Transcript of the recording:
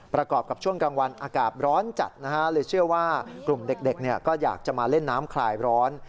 ประกอบกับช่วงกลางวันอากาศร้อนจัดนะฮะเลยเชื่อว่ากลุ่มเด็กก็อยากจะมาเล่นน้ำคลายร้อน